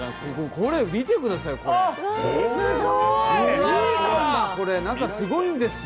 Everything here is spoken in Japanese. これ見てください、中すごいんですよ。